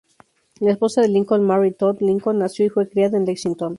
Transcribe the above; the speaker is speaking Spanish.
La esposa de Lincoln, Mary Todd Lincoln nació y fue criada en Lexington.